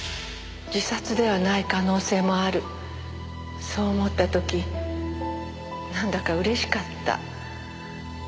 自殺ではない可能性もあるそう思った時なんだかうれしかった。